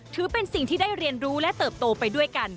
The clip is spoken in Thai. ถือเป็นสิ่งที่ได้เรียนรู้และเติบโตไปด้วยกัน